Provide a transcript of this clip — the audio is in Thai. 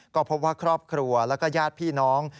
ก็พบว่าครอบครัวแล้วก็ญาติพี่น้อง